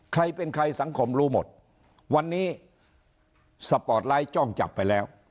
ใครเป็นใครสังคมรู้หมดวันนี้สปอร์ตไลท์จ้องจับไปแล้ว